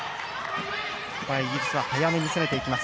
イギリスは早めに攻めていきます。